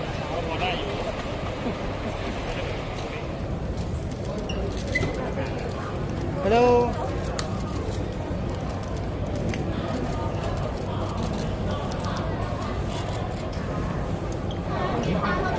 สวัสดีครับ